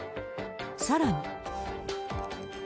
さらに。